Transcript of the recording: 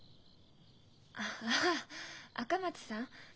ああ赤松さん？